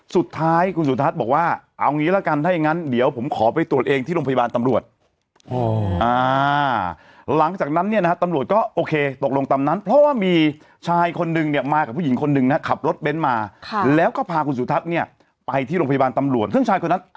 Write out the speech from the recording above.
สุดท้ายคุณสุทัศน์บอกว่าเอางี้ละกันถ้าอย่างนั้นเดี๋ยวผมขอไปตรวจเองที่โรงพยาบาลตำรวจหลังจากนั้น